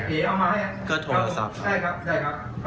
ก็โทรศัพท์ครับใช่ครับครับครับครับครับครับครับครับ